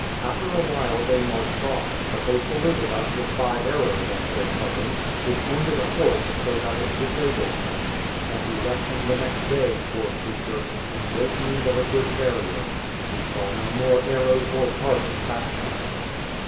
After a while they marched off, but they saluted us with five arrows at their parting, which wounded a horse so that it disabled him, and we left him the next day, poor creature, in great need of a good farrier. We saw no more arrows or Tartars that time.